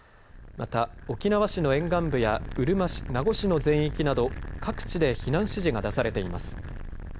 また沖縄市の沿岸部やうるま市、名護市の全域など各地で避難指示が出されています。